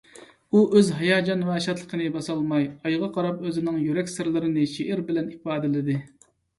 ئۇ ئۆز ھاياجان ۋە شادلىقىنى باسالماي، ئايغا قاراپ ئۆزىنىڭ يۈرەك سىرلىرىنى شېئىر بىلەن ئىپادىلىدى.